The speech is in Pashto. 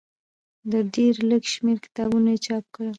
د ډېر لږ شمېر کتابونه یې چاپ کړل.